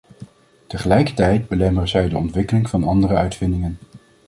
Tegelijkertijd belemmeren zij de ontwikkeling van andere uitvindingen.